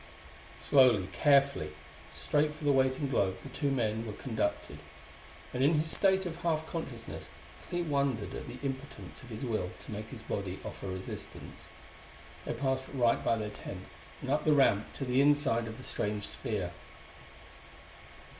Slowly, carefully, straight for the waiting globe the two men were conducted; and in his state of half consciousness Clee wondered at the impotence of his will to make his body offer resistance. They passed right by their tent and up the ramp to the inside of the strange sphere.